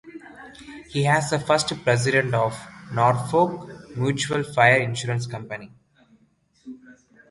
He was the first President of the Norfolk Mutual Fire Insurance Company.